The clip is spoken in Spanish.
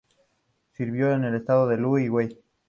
Sirvió en los estados de Lu y Wei.